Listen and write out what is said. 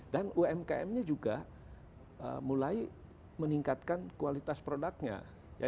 dan umkmnya juga mulai meningkatkan kualitas produknya